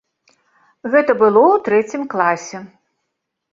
Гэта было ў трэцім класе.